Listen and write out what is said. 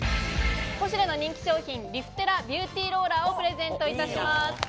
ポシュレの人気商品「リフテラビューティーローラー」をプレゼントいたします。